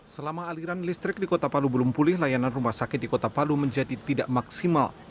selama aliran listrik di kota palu belum pulih layanan rumah sakit di kota palu menjadi tidak maksimal